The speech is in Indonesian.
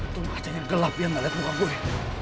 tunggu macanya gelap ya gak liat muka gue